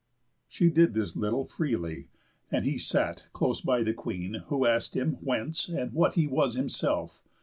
She did this little freely; and he sat Close by the Queen, who ask'd him, Whence, and what He was himself?